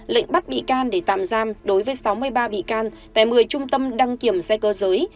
lệnh bắt bị can để tạm giam đối với sáu mươi ba bị can tại một mươi trung tâm đăng kiểm xe cơ giới